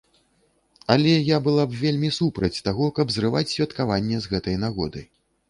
Але я была б вельмі супраць таго, каб зрываць святкаванне з гэтай нагоды.